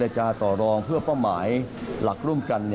จาต่อรองเพื่อเป้าหมายหลักร่วมกัน